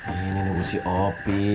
ini nunggu si opi